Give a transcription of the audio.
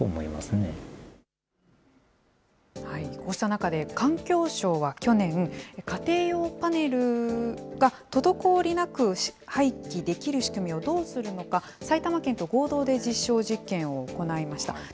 こうした中で環境省は去年、家庭用パネルが滞りなく廃棄できる仕組みをどうするのか、埼玉県と合同で実証実験を行いました。